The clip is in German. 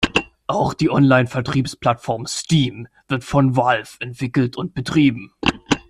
Auch die Online-Vertriebsplattform "Steam" wird von Valve entwickelt und betrieben.